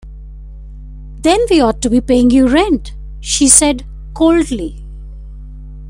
“Then we ought to be paying you rent,” she said coldly.